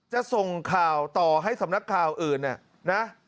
จะส่งข่าวต่อให้สำนักข่าวอื่น